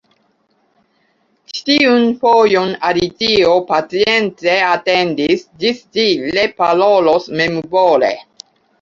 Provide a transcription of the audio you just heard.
Ĉi tiun fojon Alicio pacience atendis ĝis ĝi reparolos memvole.